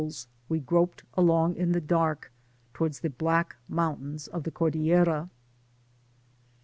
a'*^we groped along in the dark towards tb^ blac^ mountains of the Cor*^ dillera.